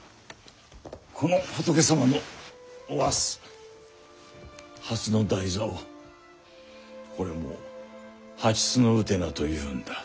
この仏様のおわす蓮の台座はこれも「蓮のうてな」というんだ。